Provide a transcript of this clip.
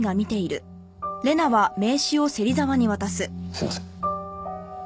すみません。